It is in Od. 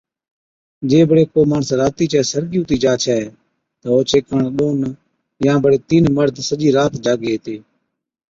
جي بڙي ڪو ماڻس راتِي چَي سرگِي ھُتِي جا ڇَي تہ اوڇي ڪاڻ ڏون يا بڙي تِين مرد سجِي رات جاڳي ھِتي